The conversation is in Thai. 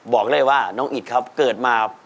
บอกเลยว่าน้องอิดครับเกิดมา